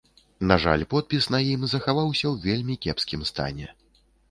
На жаль, надпіс на ім захаваўся ў вельмі кепскім стане.